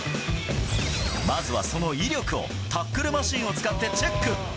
まずはその威力を、タックルマシーンを使ってチェック。